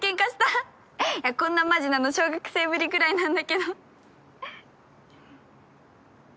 こんなマジなの小学生ぶりぐらいなんだけど。